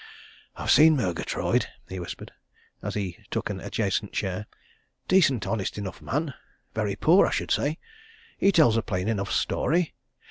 "I've seen Murgatroyd," he whispered, as he took an adjacent chair. "Decent honest enough man very poor, I should say. He tells a plain enough story.